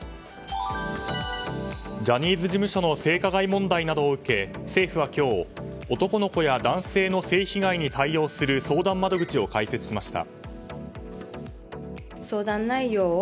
ジャニーズ事務所の性加害問題などを受け政府は今日、男の子や男性の性被害に対応する相談窓口を開設しました。